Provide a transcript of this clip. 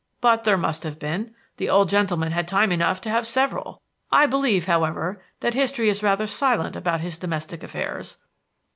"But there must have been. The old gentleman had time enough to have several. I believe, however, that history is rather silent about his domestic affairs."